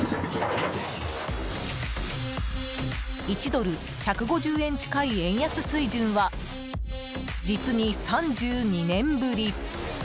１ドル＝１５０円近い円安水準は実に３２年ぶり。